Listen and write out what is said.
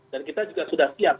dan kita juga sudah siap